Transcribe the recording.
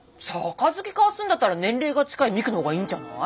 杯交わすんだったら年齢が近い未来の方がいいんじゃない？